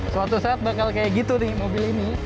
suatu saat bakal kayak gitu nih mobil ini